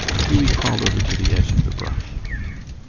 Hughie crawled over to the edge of the brush.